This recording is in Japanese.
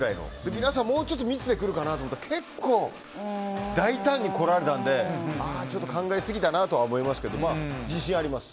皆さん、もうちょっと密で来るかなと思ったら結構大胆にこられたのでちょっと考えすぎたなとは思いますけどまあ、自信あります。